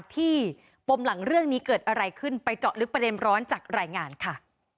ปมหลังเรื่องนี้เกิดอะไรขึ้นไปเจาะลึกประเด็นร้อนจากรายงานค่ะ